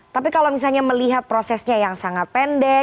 tapi kalau misalnya melihat prosesnya yang sangat pendek